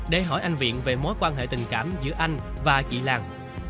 để hỏi anh viện về mối quan hệ tình cảm giữa anh và chị lan